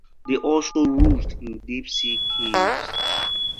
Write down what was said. They also roost in deep sea caves.